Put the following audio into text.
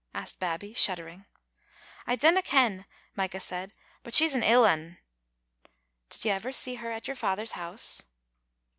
asked Babbie, shuddering. •*I dinna ken," Micah said, "but she's an ill ane." •* Did you never see her at your father's house?"